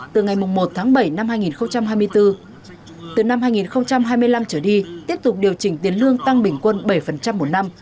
từ ngày một tháng bảy năm hai nghìn hai mươi bốn từ năm hai nghìn hai mươi năm trở đi tiếp tục điều chỉnh tiền lương tăng bình quân bảy một năm